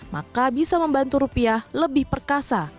maka bisa membantu rupiah lebih perkasa